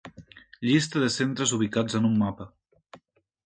Llista de centres ubicats en un mapa.